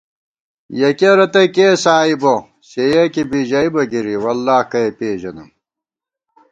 یَکِیَہ رتئ کېس آئی بہ سےیَکی بی ژئیبہ گِرِی “واللہ کہ ئے پېژَنم”